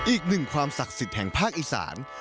อีกหนึ่งความศักดิ์สิทธิ์แห่งภาคอีสาน